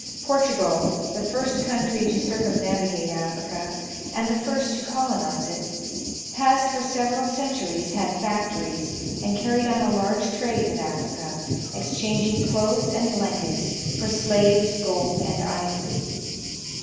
Portugal, the first coun try to circumnavigate Africa, and the first to colonize it, has for several centui'ies had factories, and carried on a large trade with Africa, exchanging clothes and blankets for slaves, gold and ivory.